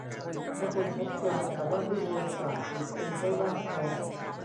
และคนชั้นกลางสามารถดิ้นรนจ่ายฉีดเองได้มากพอ